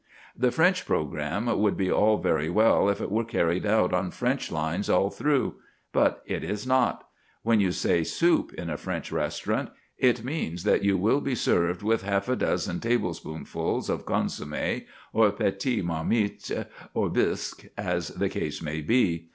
The French programme would be all very well if it were carried out on French lines all through. But it is not. When you say "soup" in a French restaurant, it means that you will be served with half a dozen table spoonfuls of consommé, or petite marmite, or bisque, as the case may be.